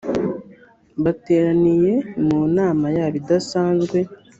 bateraniye mu nama yayo idasazwe